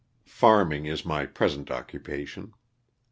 Farming is my present occupation.